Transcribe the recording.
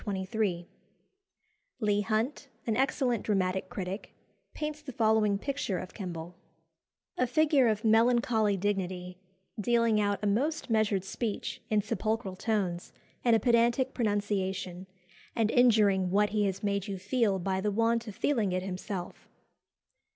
Leigh Hunt, an excellent dramatic critic, paints the following picture of Kemble: "A figure of melancholy dignity, dealing out a most measured speech in sepulchral tones and a pedantic pronunciation, and injuring what he has made you feel by the want of feeling it himself."